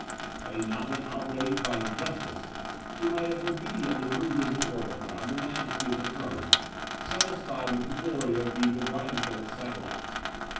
Had he not been outraged by injustice, he might have obediently moved in his orbit round the majesty of the throne, satisfied with the glory of being the brightest of its satellites.